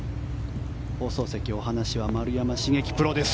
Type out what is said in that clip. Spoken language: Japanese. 放送席お話は丸山茂樹プロです。